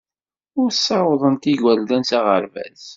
Ur ssawḍent igerdan s aɣerbaz.